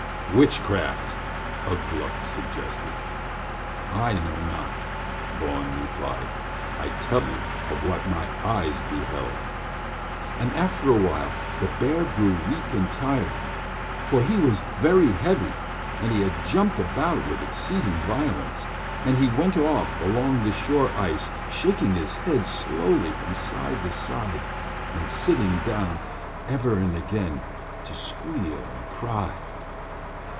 "Witchcraft," Ugh Gluk suggested. "I know not," Bawn replied. "I tell only of what my eyes beheld. And after a while the bear grew weak and tired, for he was very heavy and he had jumped about with exceeding violence, and he went off along the shore ice, shaking his head slowly from side to side and sitting down ever and again to squeal and cry.